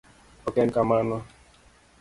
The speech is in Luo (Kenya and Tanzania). Ok en kamano.